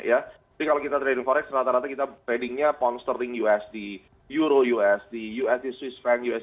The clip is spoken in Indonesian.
tapi kalau kita trading forex rata rata kita tradingnya ponster ring usd euro usd usd swiss franc